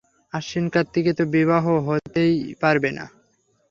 আশ্বিন-কার্তিকে তো বিবাহ হতেই পারবে না।